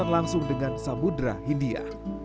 dan langsung dengan samudera hindia